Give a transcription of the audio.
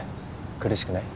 苦しくない？